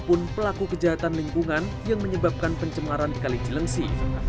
apapun pelaku kejahatan lingkungan yang menyebabkan pencemaran kali cilengsi